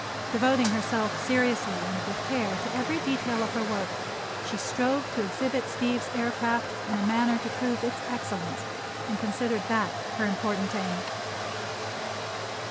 Devoting herself seriously and with care to every detail of her work she strove to exhibit Steve's aircraft in a manner to prove its excellence, and considered that her important aim.